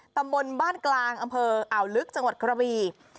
ตำบลบ้านกลางอำเภออ่าวลึกจังหวัดกระบี